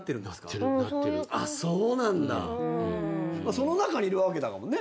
その中にいるわけだもんね。